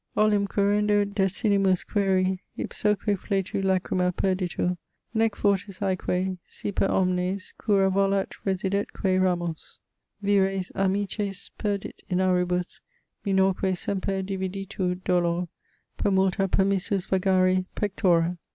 Olim querendo desinimus queri, Ipsoque fletu lacryma perditur Nec fortis aeque, si per omnes Cura volat residetque ramos. Vires amicis perdit in auribus, Minorque semper dividitur dolor, Per multa permissus vagari Pectora.